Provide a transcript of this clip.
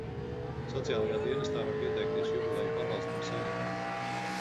Sociālajā dienestā var pieteikties jubileju pabalstam senioriem.